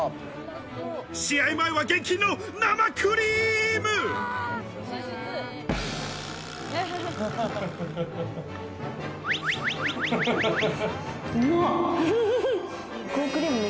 試合前は厳禁の生クリーム。